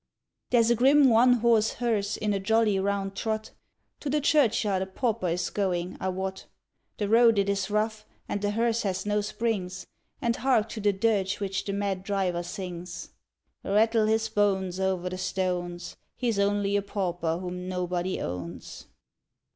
There's a grim one horse hearse in a jolly round trot To the churchyard a pauper is going, I wot; The road it is rough, and the hearse has no springs; And hark to the dirge which the mad driver sings; _Rattle his bones over the stones! He's only a pauper whom nobody owns!